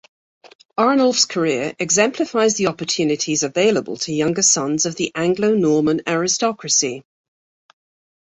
Arnulf's career exemplifies the opportunities available to younger sons of the Anglo-Norman aristocracy.